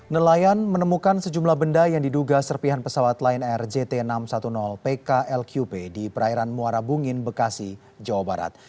nelayan menemukan sejumlah benda yang diduga serpihan pesawat lion air jt enam ratus sepuluh pklqp di perairan muara bungin bekasi jawa barat